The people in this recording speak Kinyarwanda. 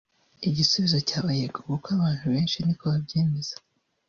Igisubizo cyaba yego kuko abantu benshi niko babyemeza